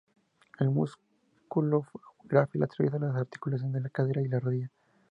El "músculo grácil" atraviesa las articulaciones de la cadera y la rodilla.